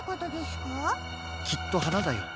きっとはなだよ。